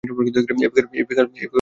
Apical ছোপগুলি অনিয়মিত।